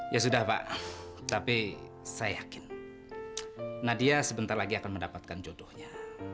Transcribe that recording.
ya sudah pak tapi saya yakin nadia sebentar lagi akan mendapatkan jodohnya